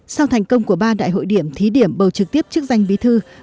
sau thành công của ba đại hội điểm thí điểm bầu trực tiếp chức danh bí thư